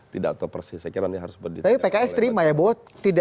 tapi pks terima ya